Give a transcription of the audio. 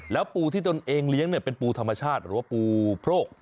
แล้วปูที่ตนเองเลี้ยงเป็นปูธรรมชาติหรือว่าปูโพรก